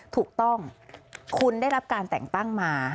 ถูกต้องคุณได้รับการแต่งตั้งมา